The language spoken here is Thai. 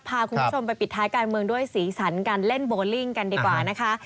พาคุณผู้ชมไปปิดท้ายการเมืองด้วยสีสันการเล่นโบลิ่งกันดีกว่านะคะ